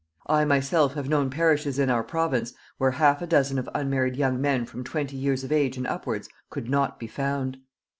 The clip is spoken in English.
I myself have known parishes in our Province where half a dozen of unmarried young men from twenty years of age and upwards could not be found.